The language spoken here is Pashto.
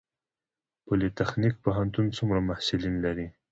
پولي تخنیک پوهنتون څومره محصلین لري؟